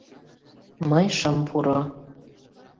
Мый шым пуро.